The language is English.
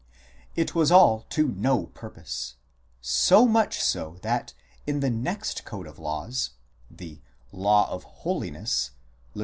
It was all to no purpose ; so much so that in the next Code of Laws (" the Law of Holiness," Lev.